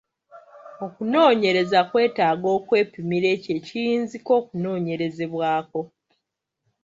Okunoonyereza kwetaaga okwepimira ekyo ekiyinzika okunoonyerezebwako.